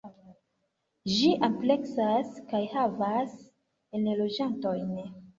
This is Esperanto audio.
Ĝi ampleksas kaj havas enloĝantojn.